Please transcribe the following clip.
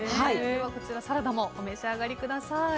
サラダもお召し上がりください。